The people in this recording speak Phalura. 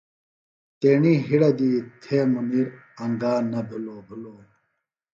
تیݨی ہِڑہ دی تھےۡ مُنیر انگا نہ بِھلوۡ بِھلوۡ۔